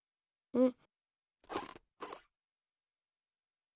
うん？